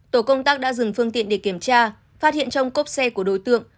tổ công tác đã dừng phương tiện để kiểm tra phát hiện trong cốp xe của đối tượng